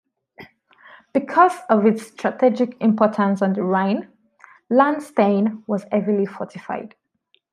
Because of its strategic importance on the Rhine, Lahnstein was heavily fortified.